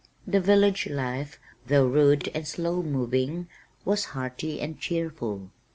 The village life, though rude and slow moving, was hearty and cheerful.